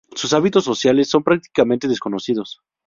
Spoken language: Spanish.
Sus hábitos sociales son prácticamente desconocidos.